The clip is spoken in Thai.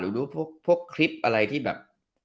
หรือดูพวกคลิปอะไรที่แบบ